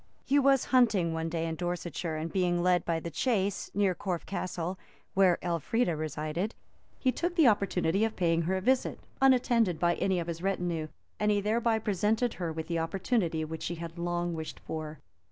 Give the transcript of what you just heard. He was hunting one day in Dorsetshire, and being led by the chase near Corfe Castle, where Elfrida resided, he took the opportunity of paying her visit, unattended by any of his retinue, and he thereby presented her with the opportunity which she had long wished for.